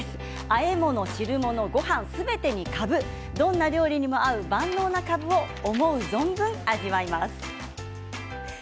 あえ物、汁物、ごはんすべてにかぶどんな料理にも合う、万能なかぶを思う存分味わいます。